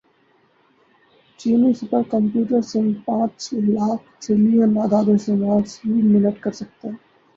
چینی supercomputer summit پانچ lakh trillion اعدادوشمار فی منٹ کر سکتا ہے